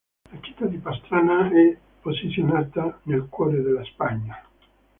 La città di Pastrana è posizionata nel cuore della Spagna.